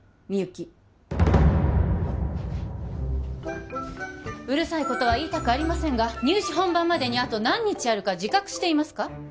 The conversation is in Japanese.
みゆきうるさいことは言いたくありませんが入試本番までにあと何日あるか自覚していますか？